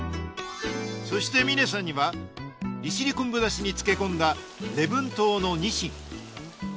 そして峰さんには利尻昆布だしに漬け込んだ礼文島のにしん。